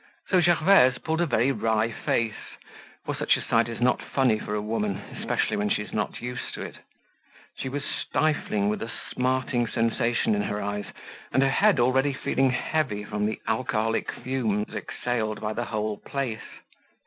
So Gervaise pulled a very wry face, for such a sight is not funny for a woman, especially when she is not used to it; she was stifling, with a smarting sensation in her eyes, and her head already feeling heavy from the alcoholic fumes exhaled by the whole place.